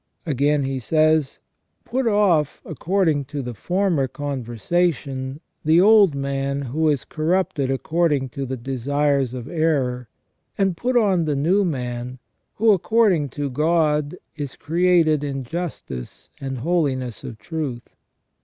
Again he says: "Put off, according to the former conversation, the old man who is corrupted according to the desires of error, and put on the new man, who, according to God, is created in justice and holiness of truth".